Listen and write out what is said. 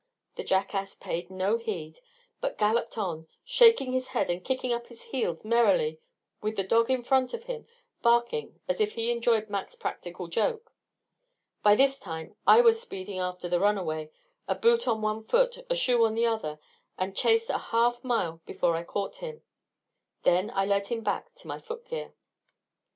The jackass paid no heed, but galloped on, shaking his head and kicking up his heels merrily with the dog in front of him, barking as if he enjoyed Mac's practical joke. By this time I was speeding after the runaway, a boot on one foot, a shoe on the other, and chased a half mile before I caught him. Then I led him back for my footgear.